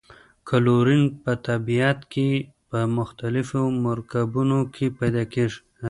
کلورین په طبیعت کې په مختلفو مرکبونو کې پیداکیږي.